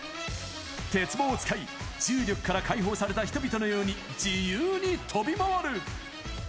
鉄棒を使い、重力から解放された人々のように、自由に飛び回る。